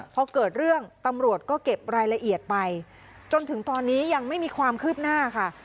พอเกิดเรื่องตำรวจก็เก็บรายละเอียดไปจนถึงตอนนี้ยังไม่มีความคืบหน้าค่ะ